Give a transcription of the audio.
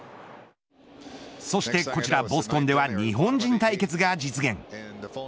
そしてこちらボストンでは日本人対決が実現。